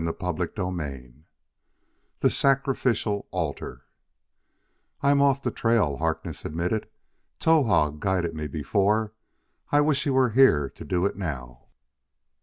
CHAPTER XI The Sacrificial Altar "I am off the trail," Harkness admitted. "Towahg guided me before; I wish he were here to do it now."